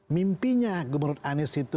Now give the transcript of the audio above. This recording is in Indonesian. mimpinya gubernur anies itu